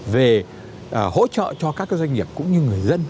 về hỗ trợ cho các doanh nghiệp cũng như người dân